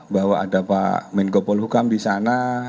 bahwa ada pak menko polhukam di sana